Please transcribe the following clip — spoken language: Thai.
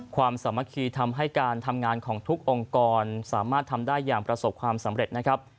สามัคคีทำให้การทำงานของทุกองค์กรสามารถทำได้อย่างประสบความสำเร็จนะครับ